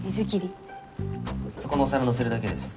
そこのお皿のせるだけです。